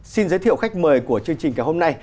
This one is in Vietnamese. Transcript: xin giới thiệu khách mời của chương trình ngày hôm nay